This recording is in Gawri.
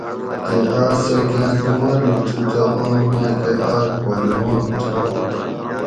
تے آس سہ کاں دو مانوڄ تھو تہ ام میکہ آک پہلوان تھو